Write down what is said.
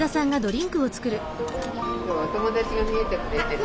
今日はお友達が見えてくれてるの。